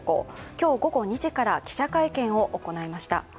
今日午後２時から記者会見を行いました。